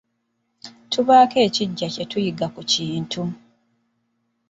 Tubaako ekiggya kye tuyiga ku kintu.